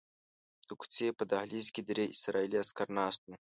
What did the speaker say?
د کوڅې په دهلیز کې درې اسرائیلي عسکر ناست وو.